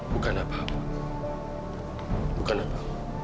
bukan apa apa bukan apa